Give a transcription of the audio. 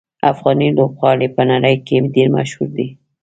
افغاني لوبغاړي په نړۍ کې ډېر مشهور دي.